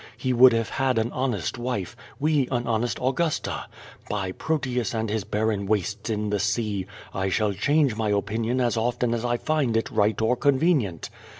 He would have had an honest wife, we an honest Augusta. By Proteus and his barren wastes in the sea! I shall change my opinion as often as I find it right or convenient.